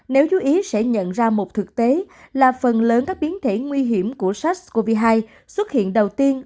nếu chú ý sẽ nhận ra một thực tế là phần lớn các biến thể nguy hiểm của sars cov hai xuất hiện đầu tiên